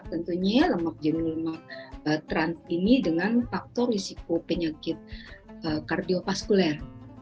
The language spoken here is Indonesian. tentunya lemak jenuh lemak trans ini dengan faktor risiko penyakit kardiofaskuler